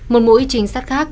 một mũi trinh sát khác